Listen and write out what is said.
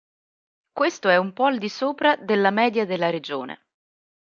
Questo è un po' al di sopra della media della regione.